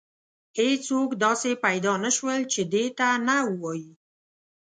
هیڅوک داسې پیدا نه شول چې دې ته نه ووایي.